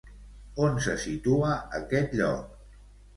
On se situa aquest lloc?